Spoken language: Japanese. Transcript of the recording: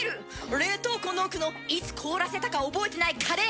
冷凍庫の奥のいつ凍らせたか覚えてないカレー！